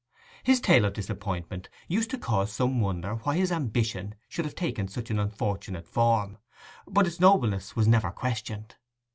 His tale of disappointment used to cause some wonder why his ambition should have taken such an unfortunate form, but its nobleness was never questioned.